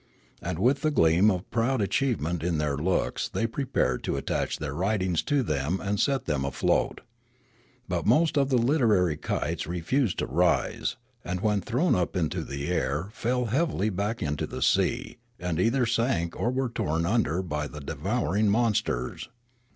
And with the gleam of proud achievement in their looks they prepared to attach their writings to them and set them afloat. But most of the literary kites refused to rise, and when thrown up into the air fell heavily back into the sea and either sank or were torn under by the 2 74 Riallaro devouring monsters.